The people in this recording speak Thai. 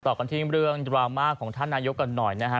ต่อกันที่เรื่องดราม่าของท่านนายกกันหน่อยนะฮะ